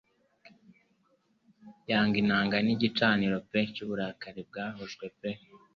Yanga inanga nigicaniro pe cyuburakari bwahujwe pe